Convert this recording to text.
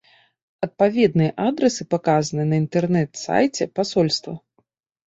Адпаведныя адрасы паказаны на інтэрнэт-сайце пасольства.